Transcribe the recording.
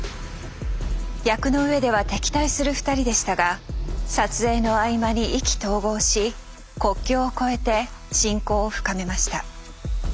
役の上では敵対する２人でしたが撮影の合間に意気投合し国境を超えて親交を深めました。